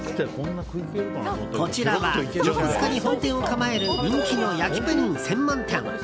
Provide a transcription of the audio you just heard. こちらは横須賀に本店を構える人気の焼きプリン専門店。